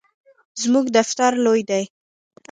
زموږ دفتر لوی دی